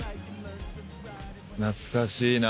懐かしいな。